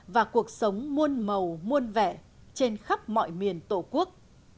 và cuộc sống muôn màu muôn vẹn trên khắp mọi miền tổ quốc